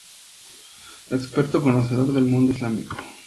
Experto conocedor del mundo islámico.